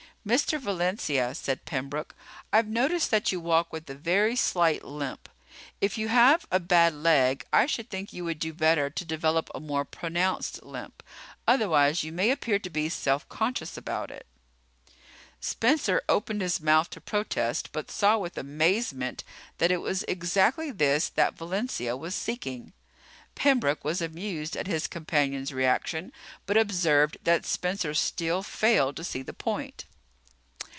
"Mr. Valencia," said Pembroke. "I've noticed that you walk with a very slight limp. If you have a bad leg, I should think you would do better to develop a more pronounced limp. Otherwise, you may appear to be self conscious about it." Spencer opened his mouth to protest, but saw with amazement that it was exactly this that Valencia was seeking. Pembroke was amused at his companion's reaction but observed that Spencer still failed to see the point.